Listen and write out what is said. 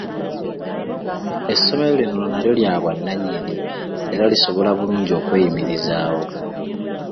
Essomero lino nalyo lya bwannannyini era lisobola bulungi okweyimirizaawo.